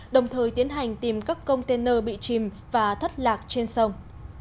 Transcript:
đồng thời tiến hành tìm các container bị chìm và thất lạc trên sông